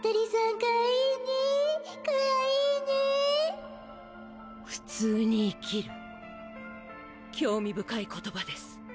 現在普通に生きる興味深い言葉です。